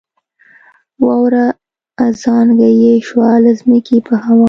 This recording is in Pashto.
واوره ازانګه یې شوه له ځمکې په هوا